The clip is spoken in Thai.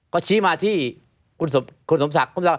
ก็ชี้มาที่คุณสมศักดิ์